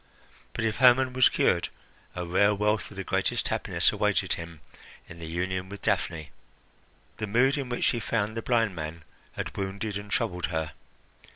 But if Hermon was cured, a rare wealth of the greatest happiness awaited him in the union with Daphne. The mood in which she found the blind man had wounded and troubled her.